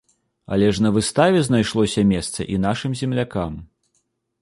Але ж на выставе знайшлося месца і нашым землякам.